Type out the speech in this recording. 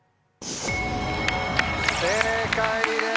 ⁉正解です。